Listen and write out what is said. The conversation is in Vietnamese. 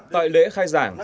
tại lễ khai giảng